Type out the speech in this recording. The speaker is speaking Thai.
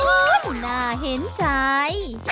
โอ้นน่าเห็นใจ